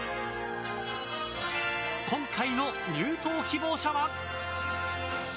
今回の入党希望者は。